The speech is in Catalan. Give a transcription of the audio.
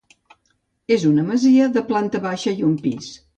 És una masia de planta baixa i un pis.